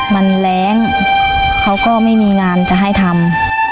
มันแรงเขาก็ไม่มีงานจะให้ทำ